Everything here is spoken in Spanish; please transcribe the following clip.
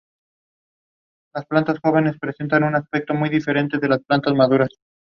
El monasterio pertenece a la Congregación de San Bernardo de Castilla.